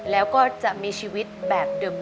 แล้วก็จะมีชีวิตแบบเดิม